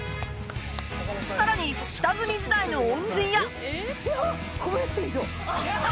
さらに下積み時代の恩人やわあ！